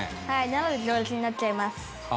なので行列になっちゃいます」